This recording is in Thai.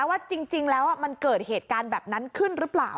ว่าจริงแล้วมันเกิดเหตุการณ์แบบนั้นขึ้นหรือเปล่า